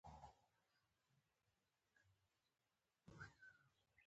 خو په ښه طبیعت پر خپله لار روان و.